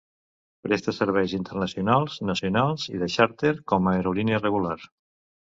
Presta serveis internacionals, nacionals i de xàrter com a aerolínia regular.